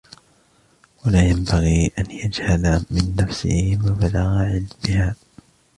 وَلَا يَنْبَغِي أَنْ يَجْهَلَ مِنْ نَفْسِهِ مَبْلَغَ عِلْمِهَا